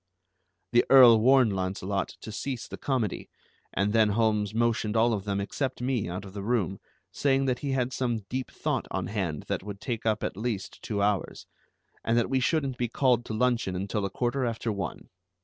The Earl warned Launcelot to cease the comedy, and then Holmes motioned all of them except me out of the room, saying that he had some deep thought on hand that would take up at least two hours, and that we shouldn't be called to luncheon until a quarter after one.